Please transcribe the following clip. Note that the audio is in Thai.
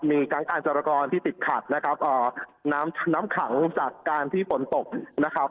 มีทั้งการจรกรที่ติดขัดนะครับน้ำน้ำขังจากการที่ฝนตกนะครับ